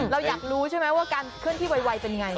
เราอยากรู้ใช่ไหมว่าการเคลื่อนที่ไวเป็นไง